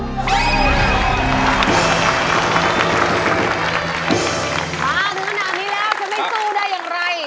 มาถึงขนาดนี้แล้วจะไม่สู้ได้อย่างไร